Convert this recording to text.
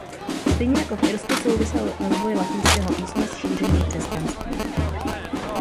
Stejně jako v Irsku souvisel rozvoj latinského písma s šířením křesťanství.